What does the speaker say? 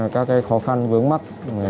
các khó khăn vướng mắt